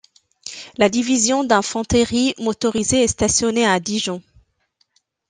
La Division d'Infanterie Motorisée est stationnée à Dijon.